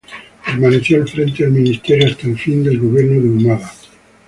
Permaneció al frente del Ministerio hasta el fin del gobierno de Humala.